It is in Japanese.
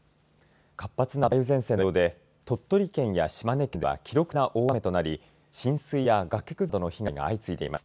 活発な梅雨前線の影響で鳥取県や島根県では記録的な大雨となり浸水や崖崩れなどの被害が相次いでいます。